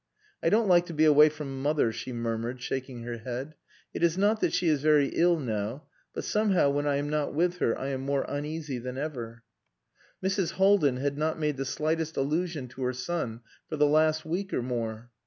"I don't like to be away from mother," she murmured, shaking her head. "It is not that she is very ill now. But somehow when I am not with her I am more uneasy than ever." Mrs. Haldin had not made the slightest allusion to her son for the last week or more.